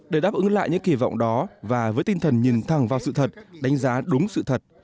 để đáp ứng lại những kỳ vọng đó và với tinh thần nhìn thẳng vào sự thật đánh giá đúng sự thật